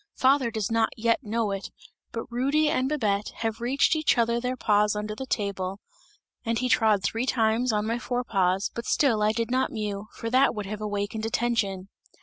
Father does not yet know it, but Rudy and Babette have reached each other their paws under the table, and he trod three times on my fore paws, but still I did not mew, for that would have awakened attention!"